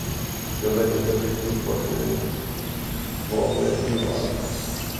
Jag vet inte riktigt vad det var med Ivar.